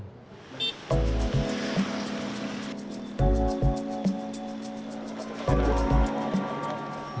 dari hirug pikuk jakarta kita juga harus tahu bagaimana kopi ditanam diproses hingga disajikan di meja kita